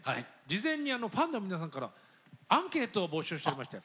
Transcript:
事前にファンの皆さんからアンケートを募集しておりまして。